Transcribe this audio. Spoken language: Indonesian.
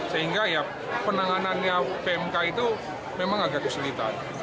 sehingga ya penanganannya pmk itu memang agak kesulitan